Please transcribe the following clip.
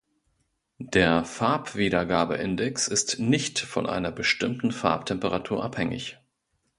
Der Farbwiedergabeindex ist "nicht" von einer bestimmten Farbtemperatur abhängig.